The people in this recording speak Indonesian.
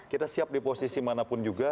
kita siap di posisi manapun juga